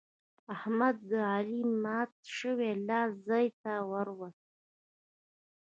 احمد د علي مات شوی لاس ځای ته ور ووست.